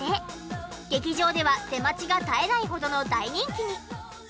劇場では出待ちが絶えないほどの大人気に。